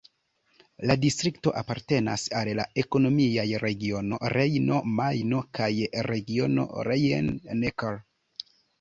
La distrikto apartenas al la ekonomiaj regiono Rejno-Majno kaj regiono Rhein-Neckar.